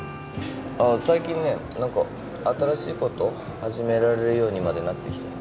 あっ最近ね何か新しいこと始められるようにまでなってきた。